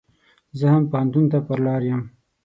زه هم پو هنتون ته پر لار يم.